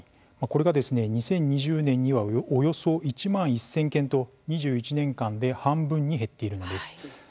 これが２０２０年にはおよそ１万１０００件と、２１年間で半分に減っているんです。